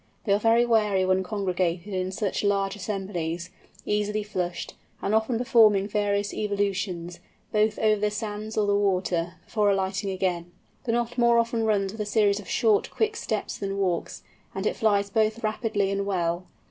They are very wary when congregated in such large assemblies, easily flushed, and often performing various evolutions, both over the sands or the water, before alighting again. The Knot more often runs with a series of short, quick steps than walks, and it flies both rapidly and well.